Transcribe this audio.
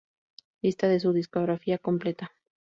Lista de su discografía completa.